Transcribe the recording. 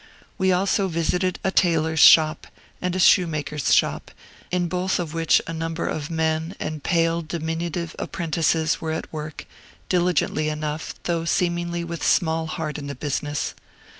We also visited a tailor's shop, and a shoemaker's shop, in both of which a number of mien, and pale, diminutive apprentices, were at work, diligently enough, though seemingly with small heart in the business.